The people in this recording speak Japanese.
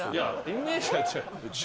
イメージは違う。